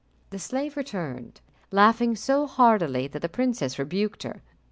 The slave returned, laughing so heartily that the princess rebuked her.